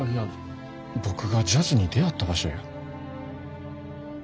僕がジャズに出会った場所や。